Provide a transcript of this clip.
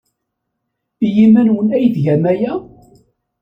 I yiman-nwen ay tgam aya?